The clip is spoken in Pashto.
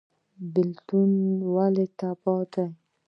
بیلتون ولې تباهي ده؟